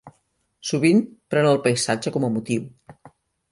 Sovint pren el paisatge com a motiu.